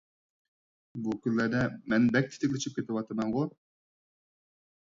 بۇ كۈنلەردە مەن بەك تېتىكلىشىپ كېتىۋاتىمەنغۇ!